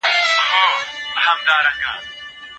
لېري زده کړه د ویډیو د لارې درس وړاندې کوي.